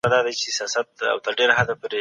له قانون څخه سرغړونه جرم دی.